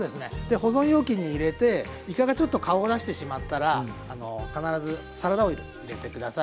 保存容器に入れていかがちょっと顔を出してしまったら必ずサラダオイル入れて下さい。